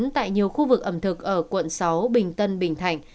tại nhiều khu vực ẩm thực ở quận sáu bình tân bình thạnh